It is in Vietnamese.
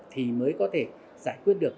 thì mới có thể giải quyết được